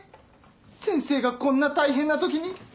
先生がこんな大変な時に。